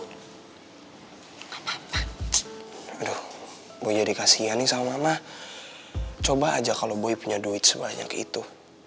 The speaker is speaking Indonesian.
gue jadi kasihan sama mama coba aja kalau gue punya duit sebanyak itu